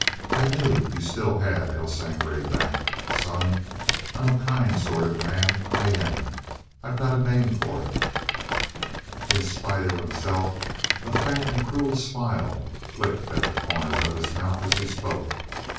"I knew you still had El Sangre back. Son, I'm a kind sort of a man, I am. I got a name for it." In spite of himself a faint and cruel smile flickered at the corners of his mouth as he spoke.